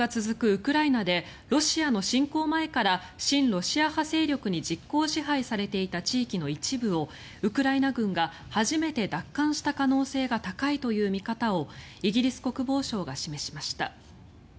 ウクライナでロシアの侵攻前から親ロシア派勢力に実効支配されていた地域の一部をウクライナ軍が初めて奪還した可能性が高いという見方をイギリス国防省が示しました。